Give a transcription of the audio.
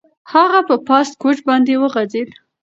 هغه په پاسته کوچ باندې وغځېد.